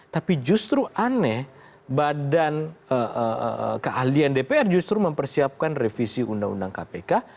tapi justru aneh badan keahlian dpr justru mempersiapkan revisi undang undang kpk